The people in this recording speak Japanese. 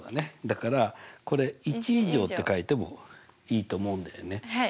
だからこれ１以上って書いてもいいと思うんだよね。